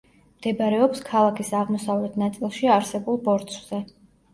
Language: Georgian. მდებარეობს ქალაქის აღმოსავლეთ ნაწილში არსებულ ბორცვზე.